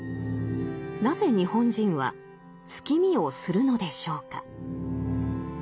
なぜ日本人は月見をするのでしょうか。